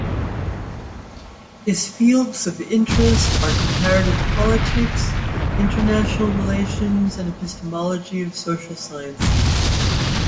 His fields of interests are comparative politics, international relations and epistemology of social sciences.